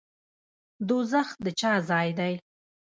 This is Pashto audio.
دوزخ د چا ځای دی؟